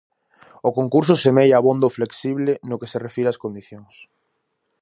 O concurso semella abondo flexible no que se refire ás condicións.